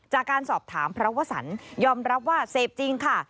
จากการสอบถามพระวสันยอมรับว่าเสพจริงค่ะ